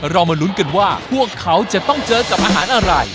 เรามาลุ้นกันว่าพวกเขาจะต้องเจอกับอาหารอะไร